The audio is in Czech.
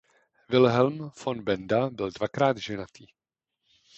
Wilhelm von Benda byl dvakrát ženatý.